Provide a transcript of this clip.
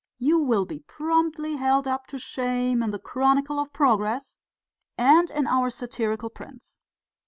You will be promptly held up to shame in the Chronicle of Progress and in our satirical prints...."